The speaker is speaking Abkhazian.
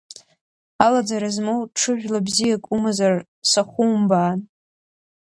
Алаӡара змоу ҽыжәла бзиак умазар сахумбаан!